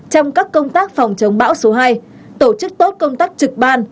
trong các công tác phòng chống bão số hai tổ chức tốt công tác trực ban